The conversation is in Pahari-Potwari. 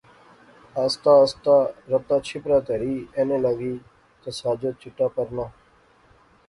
آہستہ آہستہ رتا چھپرا تہری اینے لاغی تہ ساجد چٹا پرنا